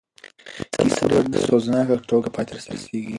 کیسه په ډېره سوزناکه توګه پای ته رسېږي.